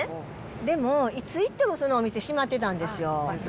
でも、いつ行ってもそのお店、閉まってたんですよ。